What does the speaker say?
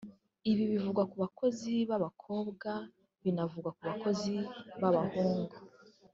Ibi bivugwa ku bakozi b’abakobwa binavugwa ku bakozi b’ababahungu